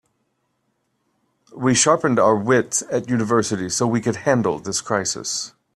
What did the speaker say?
We sharpened our wits at university so we could handle this crisis.